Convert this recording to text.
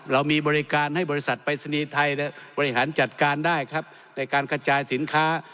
เรามีบริการให้บริษัทปรายศนีย์ไทยบริหารจัดการได้ครับในการกระจายสินค้า